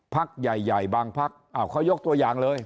ภักดิ์ใหญ่ใหญ่บางภักดิ์อ้าวเขายกตัวอย่างเลย